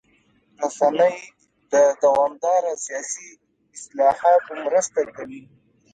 رسنۍ د دوامداره سیاسي اصلاحاتو مرسته کوي.